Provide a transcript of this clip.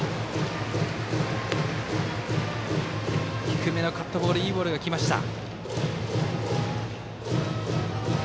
低めのカットボールいいボールが来ました。